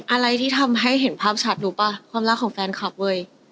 อะไรที่ทำให้เห็นภาพชัดรู้ป่ะความรักของแฟนคลับเว้ย